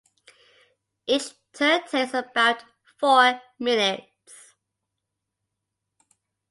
Each turn takes about four minutes.